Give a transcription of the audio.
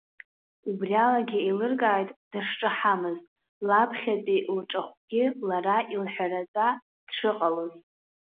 Убриалагьы еилыркааит дышҿаҳамыз, лаԥхьаҟатәи лҿахәгьы лара илҳәаратәа дшыҟалоз!